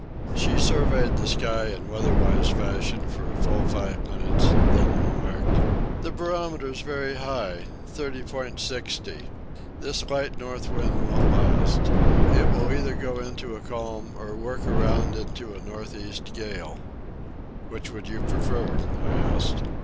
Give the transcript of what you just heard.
She surveyed the sky in weather wise fashion for a full five minutes, then remarked: "The barometer's very high—30.60. This light north wind won't last. It will either go into a calm or work around into a north east gale." "Which would you prefer?" I asked.